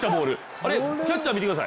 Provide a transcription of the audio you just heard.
あれキャッチャーを見てください。